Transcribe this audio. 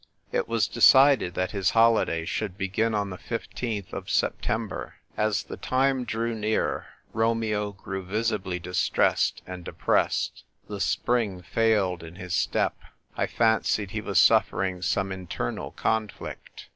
It was decided that his holiday should begin on the fifteenth of September. As the time drew near, Romeo grew visibly distressed and depressed. The spring failed in his step. I fancied he was suffering some in ternal conflict.